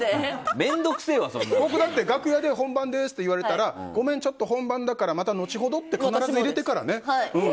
僕、楽屋で本番ですって言われたらごめん、本番なのでまたのちほど！って必ず入れてからね。